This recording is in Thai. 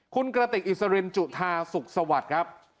คุณกระติกอิสรินจุธาสุขสวัสดิ์ครับ